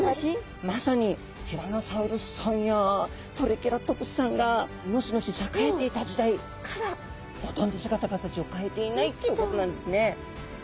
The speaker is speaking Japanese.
まさにティラノサウルスさんやトリケラトプスさんがのしのし栄えていた時代からほとんど姿形を変えていないっていうことなんですね。